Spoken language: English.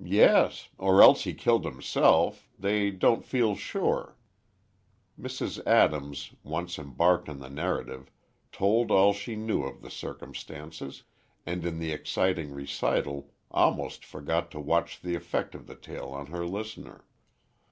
"Yes—or else he killed himself—they don't feel sure." Mrs. Adams, once embarked on the narrative, told all she knew of the circumstances, and in the exciting recital, almost forgot to watch the effect of the tale on her listener.